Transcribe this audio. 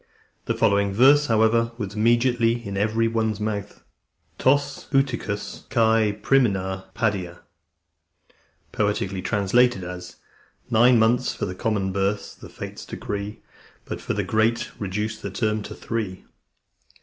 The following verse, however, was immediately in every one's mouth: Tois eutychousi kai primaena paidia. Nine months for common births the fates decree; But, for the great, reduce the term to three.